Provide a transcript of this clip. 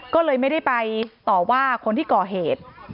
ก็เลยไม่ได้ไปต่อว่าคนที่ก่อเหตุ